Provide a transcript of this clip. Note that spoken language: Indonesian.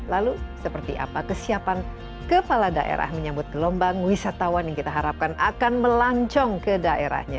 lalu seperti apa kesiapan kepala daerah menyambut gelombang wisatawan yang kita harapkan akan melancong ke daerahnya